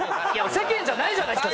世間じゃないじゃないですか！